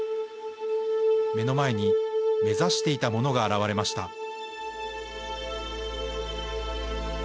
目の前に目指していたものが現れました。